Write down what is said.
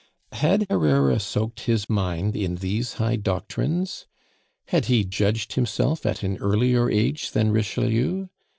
Had Herrera soaked his mind in these high doctrines? Had he judged himself at an earlier age than Richelieu?